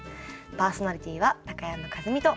パーソナリティーは高山一実と。